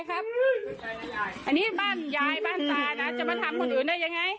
อันนี้บ้านยายบ้านตานะจะมาทำคนอื่นได้ยังไง